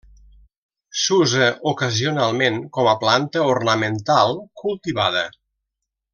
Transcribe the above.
S'usa ocasionalment com a planta ornamental, cultivada.